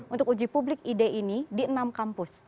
untuk uji publik ide ini di enam kampus